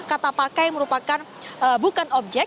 kata pakai merupakan bukan objek